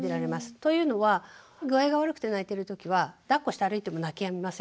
というのは具合が悪くて泣いてるときはだっこして歩いても泣きやみません。